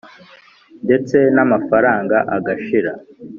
Ndetse namafaranga agashira